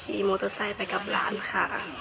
มีมอเตอร์ไซค์ไปกับหลานค่ะ